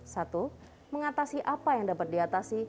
satu mengatasi apa yang dapat diatasi